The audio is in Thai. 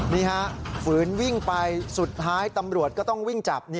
นี่ฮะฝืนวิ่งไปสุดท้ายตำรวจก็ต้องวิ่งจับ